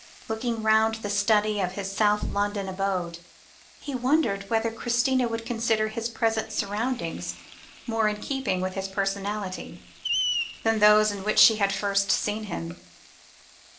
Looking round the study of his South London abode, he wondered whether Christina would consider his present surroundings more in keeping with his personality, than those in which she had first seen him.